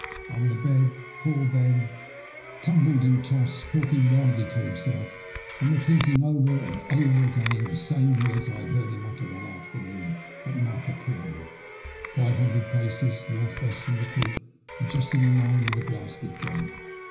On the bed poor Ben 16 THE LUST OF HATE. tumbled and tossed, talking wildly to himself and repeating over and over again the same words I had heard him utter that afternoon at Marka purlie — five hundred paces north weit from the creek, and just in a lins with the blasted gum.